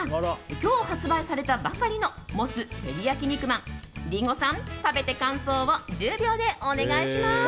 今日発売されたばかりのモステリヤキ肉まんリンゴさん、食べて感想を１０秒でお願いします。